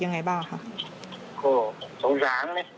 มันก็ตำไม่ได้ออกมาดังกัน